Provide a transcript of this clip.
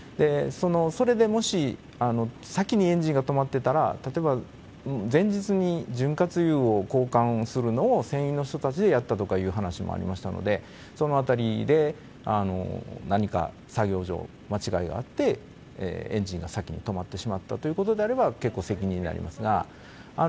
それでもし先にエンジンが止まってたら、例えば、前日に潤滑油を交換をするのを、船員の人たちでやったとかいう話もありましたので、そのあたりで何か作業上、間違いがあって、エンジンが先に止まってしまったということであれば、結構、責任ありますが。